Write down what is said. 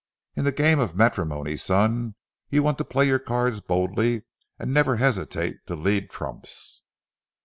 In the game of matrimony, son, you want to play your cards boldly and never hesitate to lead trumps."